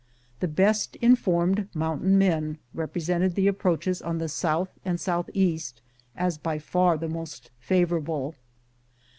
The best in formed mountain men represented the approaches on the south and southeast as by far the most favorable.